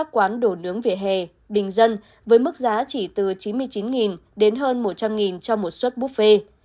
quán đổ nướng vỉa hè bình dân với mức giá chỉ từ chín mươi chín đến hơn một trăm linh cho một suất buffet